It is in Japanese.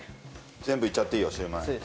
全部いっちゃっていいよシューマイ。